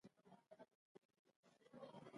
چې زه يې هم بې حده احترام لرم.